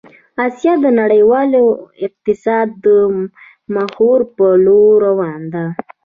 آسيا د نړيوال اقتصاد د محور په لور روان ده